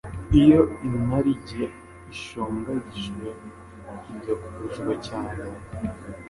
Iyo inarijye ishyonyagijwe igakuzwa cyane,